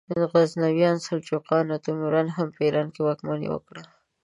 غزنویانو، سلجوقیانو او تیموریانو هم په ایران واکمني وکړه.